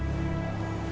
gue gak boleh masuk